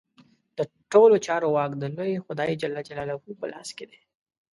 د ټولو چارو واک د لوی خدای جل جلاله په لاس کې دی.